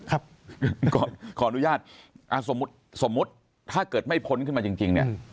ขออนุญาตสมมุติสมมุติถ้าเกิดไม่พ้นขึ้นมาจริงเนี่ย